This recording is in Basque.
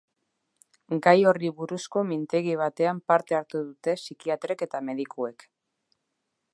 Gai horri buruzko mintegi batean parte hartu dute psikiatrek eta medikuek.